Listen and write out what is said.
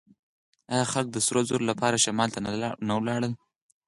آیا خلک د سرو زرو لپاره شمال ته نه لاړل؟